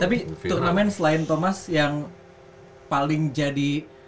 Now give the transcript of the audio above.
tapi tunggal men selain thomas yang paling jadi